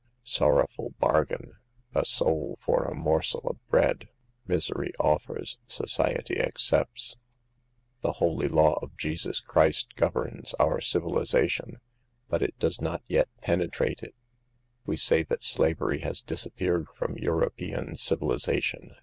Sorrowful bargain ! A soul for a morsel of bread. Misery offers, society accepts. " The holy law of Jesus Christ governs our 10 218 fc*AVE THE GIRLS. civilization, but it does not yet penetrate it ; we say that slavery has disappeared from Euro pean civilization.